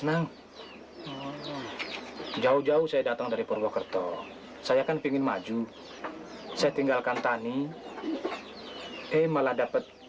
nang jauh jauh saya datang dari purwokerto saya kan pingin maju saya tinggalkan tani hei malah dapet